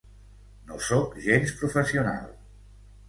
No sóc gens professional.